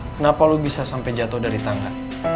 kenapa lu bisa sampai jatuh dari tangga